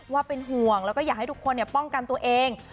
ว่าเป็นห่วงแล้วก็อยากให้ทุกคนป้องกันตัวเอง